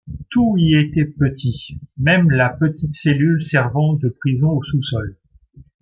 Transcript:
Tout y était petit, même la petite cellule servant de prison au sous-sol.